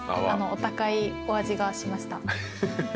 お高いお味がしました。